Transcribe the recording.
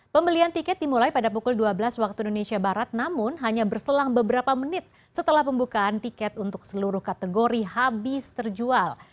pembelian tiket dimulai pada pukul dua belas waktu indonesia barat namun hanya berselang beberapa menit setelah pembukaan tiket untuk seluruh kategori habis terjual